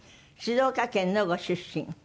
静岡県のご出身。